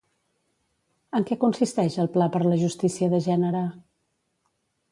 En què consisteix el Pla per la Justícia de Gènere?